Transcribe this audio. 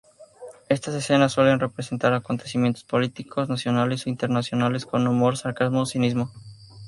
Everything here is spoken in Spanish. Estas escenas suelen representar acontecimientos políticos, nacionales o internacionales, con humor, sarcasmo o cinismo.